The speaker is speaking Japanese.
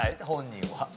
本人は。